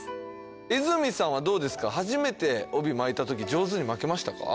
和泉さんはどうですか初めて帯巻いたとき上手に巻けましたか？